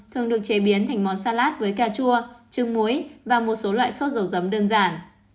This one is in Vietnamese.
thường được chế biến thành món salad với cà chua trưng muối và một số loại sốt dầu giấm đơn giản